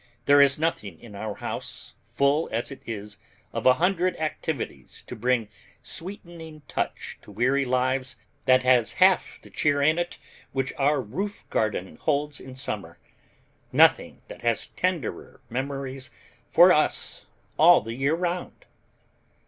There is nothing in our house, full as it is of a hundred activities to bring sweetening touch to weary lives, that has half the cheer in it which our roof garden holds in summer, nothing that has tenderer memories for us all the year round.